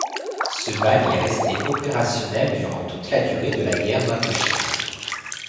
Ce bagne est resté opérationnel pendant toute la durée de la guerre d'Indochine.